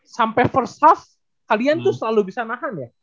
sampai first of kalian tuh selalu bisa nahan ya